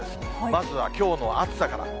まずはきょうの暑さから。